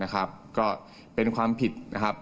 ก็เป็นความผิด